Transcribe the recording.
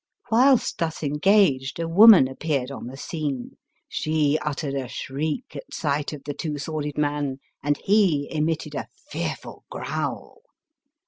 Whilst thus engaged a woman appeared on the scene ; she uttered a shriek at sight of the Two Sworded Man, and he emitted a fearful growl.